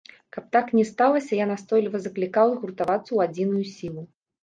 Каб так не сталася, я настойліва заклікаў згуртавацца ў адзіную сілу.